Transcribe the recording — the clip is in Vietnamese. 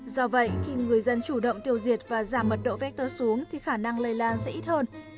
do vậy khi người dân chủ động tiêu diệt và giảm mật độ vector xuống thì khả năng lây lan sẽ ít hơn